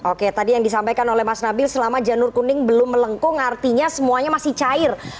oke tadi yang disampaikan oleh mas nabil selama janur kuning belum melengkung artinya semuanya masih cair